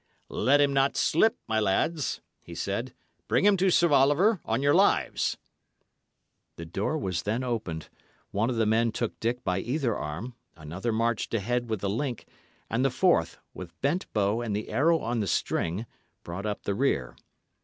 "Let him not slip, my lads," he said. "Bring him to Sir Oliver, on your lives!" The door was then opened; one of the men took Dick by either arm, another marched ahead with a link, and the fourth, with bent bow and the arrow on the string, brought up the rear.